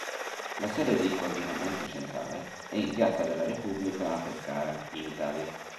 La sede di coordinamento centrale è in Piazza della Repubblica a Pescara, in Italia.